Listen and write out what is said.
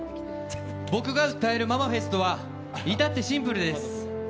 僕が訴えるママフェストは至ってシンプルです。